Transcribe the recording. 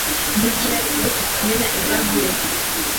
Ni ryari uheruka kumena ibirahuri?